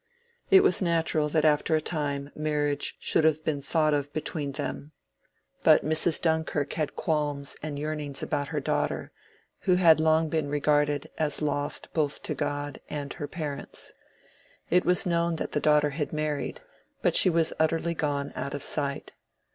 It was natural that after a time marriage should have been thought of between them. But Mrs. Dunkirk had qualms and yearnings about her daughter, who had long been regarded as lost both to God and her parents. It was known that the daughter had married, but she was utterly gone out of sight.